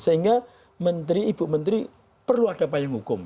sehingga menteri ibu menteri perlu ada payungnya